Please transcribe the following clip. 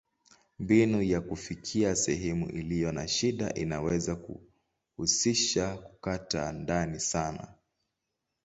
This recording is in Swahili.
Mbinu ya kufikia sehemu iliyo na shida inaweza kuhusisha kukata ndani sana.